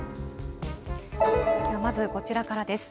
まず、こちらからです。